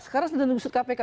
sekarang sudah diusir kpk